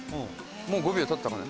もう５秒たったかな？